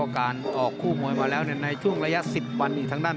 การออกคู่มวยมาแล้วในช่วงระยะ๑๐วันนี้ทางด้าน